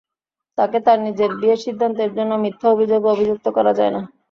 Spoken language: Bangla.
তাঁকে তাঁর নিজের বিয়ের সিদ্ধান্তের জন্য মিথ্যা অভিযোগে অভিযুক্ত করা যায় না।